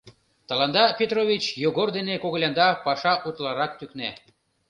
Тыланда, Петрович, Йогор дене когылянда паша утларак тӱкна.